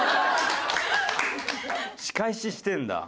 仕返ししてるんだ。